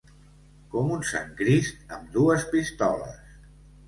Com un Sant Crist amb dues pistoles.